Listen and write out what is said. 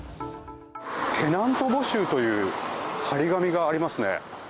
テナント募集という貼り紙がありますね。